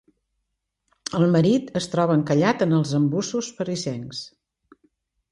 El marit es troba encallat en els embussos parisencs.